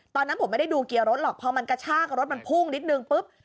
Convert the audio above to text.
ตอนนั้นผมไม่ได้ดูเกียร์รถหรอกพอมันกระชากรถมันพุ่งนิดนึงปุ๊บ